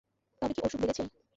তবে কি অসুখ বেড়েছে?